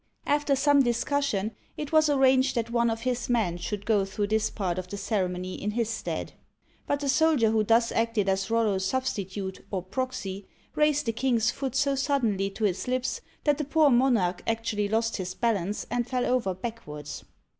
After some discussion, it was arranged that one of his men should go through this part of the ceremony in his stead. But the soldier who thus acted as RoUo's sub stitute, or proxy, raised the king's foot so suddenly to his lips that the poor monarch actually lost his balance and fell over backwards